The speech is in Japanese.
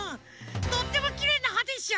とってもきれいなはでしょ？